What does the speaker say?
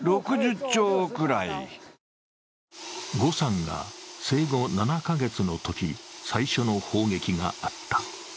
呉さんが生後７か月のとき、最初の砲撃があった。